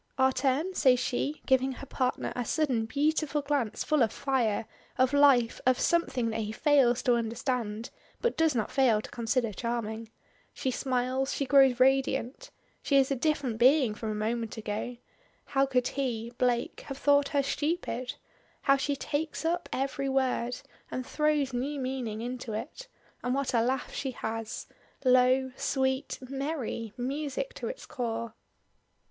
"Our turn?" says she, giving her partner a sudden beautiful glance full of fire of life of something that he fails to understand, but does not fail to consider charming. She smiles; she grows radiant. She is a different being from a moment ago. How could he Blake have thought her stupid. How she takes up every word and throws new meaning into it and what a laugh she has! Low sweet merry music to its core!